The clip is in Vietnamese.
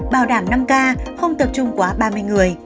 bảo đảm năm k không tập trung quá ba mươi người